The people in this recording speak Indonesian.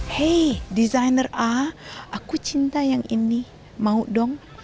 hei designer a aku cinta yang ini mau dong